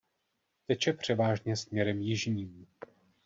Teče převážně směrem jižním.